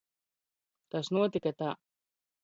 Tas notika t?